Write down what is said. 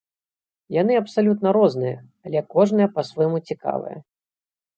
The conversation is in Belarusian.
Яны абсалютна розныя, але кожная па-свойму цікавая.